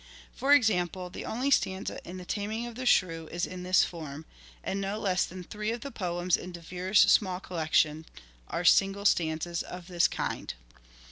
For example, the only stanza in " The Taming of the Shrew " is in this form ; and no less than three of the poems in De Vere's small collection are single stanzas of this kind.